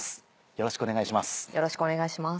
よろしくお願いします。